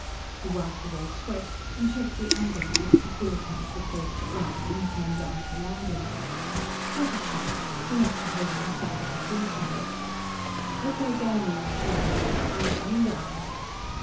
He wiped away sweat and checked the angle at which the fuel tank would face the ground when he came down for a landing. Satisfied, he knocked a hole in the side of the fuel tank. "Okay, Ganymede," he radioed. "I'm coming down."